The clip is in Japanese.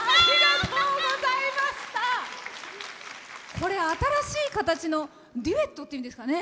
これ、新しい形のデュエットっていうんですかね。